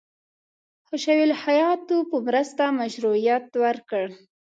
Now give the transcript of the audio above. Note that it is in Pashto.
حشوي الهیاتو په مرسته مشروعیت ورکړ.